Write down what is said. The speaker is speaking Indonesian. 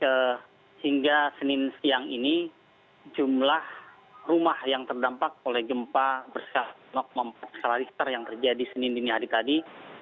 pada senin siang ini jumlah rumah yang terdampak oleh gempa bersah mampu mampu salarister yang terjadi senin ini hari tadi